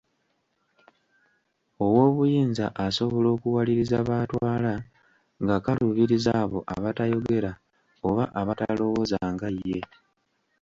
Ow'obuyinza asobola okuwaliriza b'atwala, ng'akaluubiriza abo abatayogera oba abatalowooza nga ye.